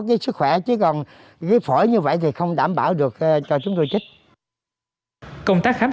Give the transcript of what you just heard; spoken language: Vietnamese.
cái sức khỏe chứ còn cái phổi như vậy thì không đảm bảo được cho chúng tôi chết công tác khám